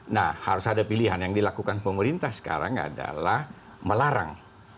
nah harus ada pilihan yang dilakukan pemerintah sekarang adalah melarang